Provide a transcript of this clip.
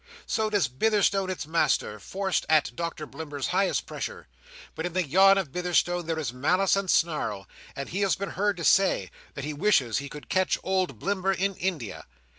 So does Bitherstone its master, forced at Doctor Blimber's highest pressure; but in the yawn of Bitherstone there is malice and snarl, and he has been heard to say that he wishes he could catch "old Blimber" in India.